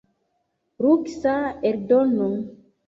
Luksa eldono.